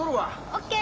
ＯＫ！